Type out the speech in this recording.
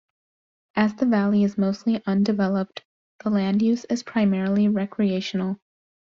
As the valley is mostly undeveloped, the land use is primarily recreational.